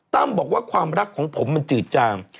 บอกว่าความรักของผมมันจืดจาง